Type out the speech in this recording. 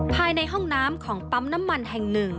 ภายในห้องน้ำของปั๊มน้ำมันแห่ง๑